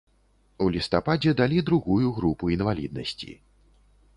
У лістападзе далі другую групу інваліднасці.